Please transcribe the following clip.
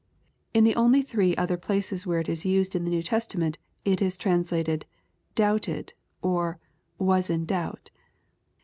In the only three other places where it is used in the New Testament, it is translated, "doubted," or, "was in doubt."